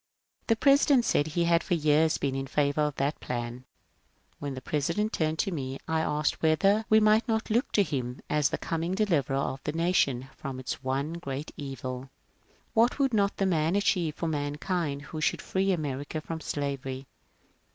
The President said he had for years been in favour of that plan. When the President turned to me, I asked whether we might not look to him as the coming Deliverer of the Nation from its one great evil. What would not that man achieve for mankind who should free America from slavery?